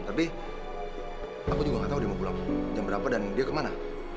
tapi aku juga gak tau dia mau pulang jam berapa dan dia kemana